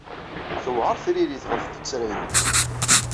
Tewɛeṛ tririt ɣef tuttra-nnem.